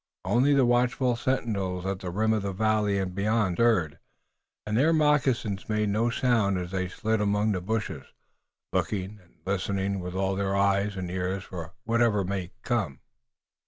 Only the watchful sentinels at the rim of the valley and beyond stirred, and their moccasins made no sound as they slid among the bushes, looking and listening with all their eyes and ears for whatever might come.